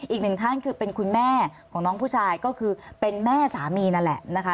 อีกหนึ่งท่านคือเป็นคุณแม่ของน้องผู้ชายก็คือเป็นแม่สามีนั่นแหละนะคะ